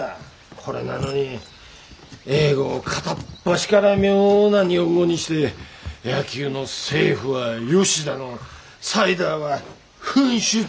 ほれなのに英語を片っ端から妙な日本語にして野球のセーフは「よし」だのサイダーは「噴出水」だの。